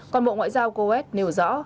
còn bộ ngoại giao coet nêu rõ